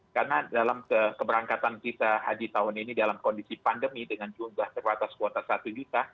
karena dalam keberangkatan kita haji tahun ini dalam kondisi pandemi dengan jumlah terbatas kuota satu juta